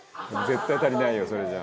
「絶対足りないよそれじゃ」